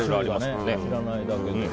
知らないだけで。